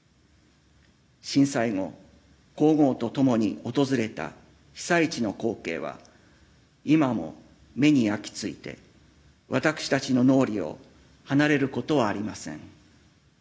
震災後、皇后と共に訪れた被災地の光景は今も目に焼き付いて、私たちの脳裏を離れることはありません。